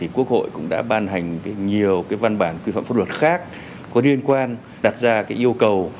quốc hội cũng đã ban hành nhiều văn bản quy phạm pháp luật khác có liên quan đặt ra yêu cầu